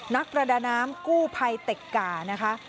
นักประดาน้ำกู้ภัยเต็กก่านะคะ